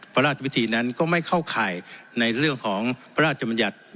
พระราชวิธีนั้นก็ไม่เข้าข่ายในเรื่องของพระราชมัญญัติ